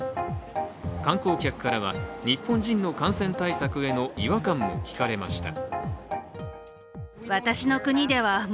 観光客からは、日本人の感染対策への違和感も聞かれました。